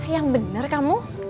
yang bener kamu